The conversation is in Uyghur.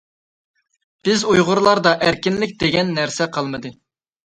بىز ئۇيغۇرلاردا ئەركىنلىك دېگەن نەرسە قالمىدى.